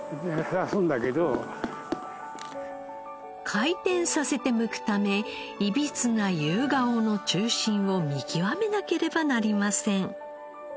回転させてむくためいびつなユウガオの中心を見極めなければなりません。